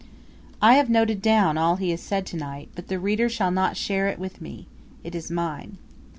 I have noted down all he has said to night; but the reader shall not share it with me. It is mine!